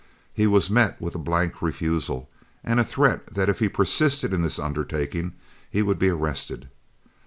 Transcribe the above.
He was met with a blank refusal, and a threat that if he persisted in this undertaking he would be arrested.